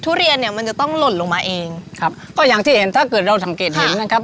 ทุเรียนเนี้ยมันจะต้องหล่นลงมาเองครับก็อย่างที่เห็นถ้าเกิดเราสังเกตเห็นนะครับ